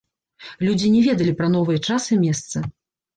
Людзі не ведалі пра новыя час і месца.